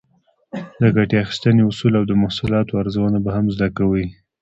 د ګټې اخیستنې اصول او د محصولاتو ارزونه به هم زده کړئ.